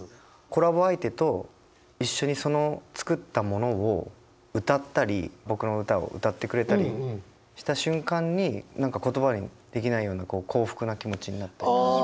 コラボ相手と一緒にその作ったものを歌ったり僕の歌を歌ってくれたりした瞬間に何か言葉にできないような幸福な気持ちになったり。